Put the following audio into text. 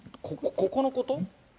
ここのこと？